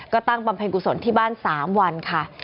ก็ตั้งบำเพ็ญกุศลที่บ้าน๓วันค่ะ